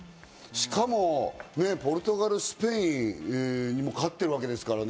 しかもポルトガル、スペインにも勝ってるわけですからね。